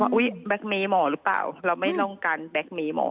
อุ๊ยแก๊กเมย์หมอหรือเปล่าเราไม่ต้องการแบ็คเมย์หมอ